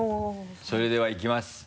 それではいきます